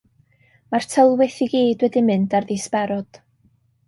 Mae'r tylwyth i gyd wedi mynd ar ddisberod.